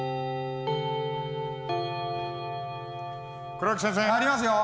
・黒木先生入りますよ。